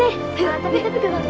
duh shut up